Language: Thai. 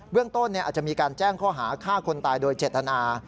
เรื่องต้นอาจจะมีการแจ้งข้อหาฆ่าคนตายโดยเจตนา